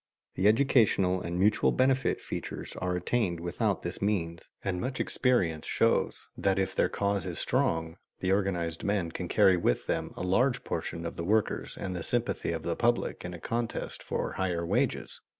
The educational and mutual benefit features are attained without this means; and much experience shows that, if their cause is strong, the organized men can carry with them a large proportion of the workers and the sympathy of the public in a contest for higher wages.